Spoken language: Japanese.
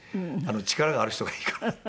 力がある人がいいかなって。